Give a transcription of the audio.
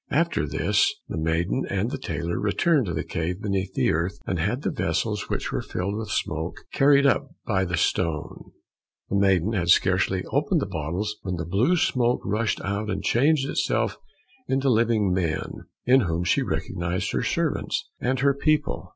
After this, the maiden and the tailor returned to the cave beneath the earth, and had the vessels which were filled with smoke carried up by the stone. The maiden had scarcely opened the bottles when the blue smoke rushed out and changed itself into living men, in whom she recognized her servants and her people.